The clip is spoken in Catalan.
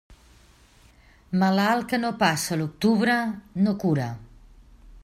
Malalt que no passa l'octubre, no cura.